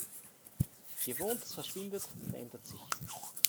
Gewohntes verschwindet, verändert sich.